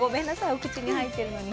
お口に入ってるのに。